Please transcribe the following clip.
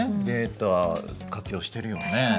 データ活用してるよね。